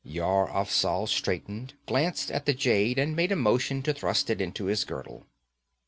Yar Afzal straightened, glanced at the jade, and made a motion to thrust it into his girdle.